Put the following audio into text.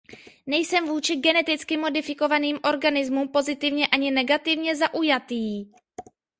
Nejsem vůči geneticky modifikovaným organismům pozitivně ani negativně zaujatý.